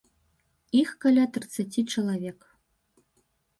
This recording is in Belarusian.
Іх каля трыццаці чалавек.